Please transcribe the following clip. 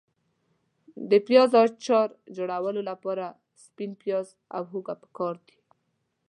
د پیاز اچار جوړولو لپاره سپین پیاز او هوګه پکار دي.